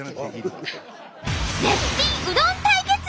絶品うどん対決！